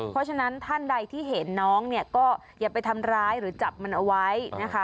เพราะฉะนั้นท่านใดที่เห็นน้องเนี่ยก็อย่าไปทำร้ายหรือจับมันเอาไว้นะคะ